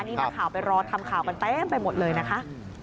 นี่นักข่าวไปรอทำข่าวกันเต็มไปหมดเลยนะคะ